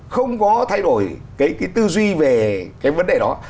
không có thay đổi cái tư duy về cái vấn đề đó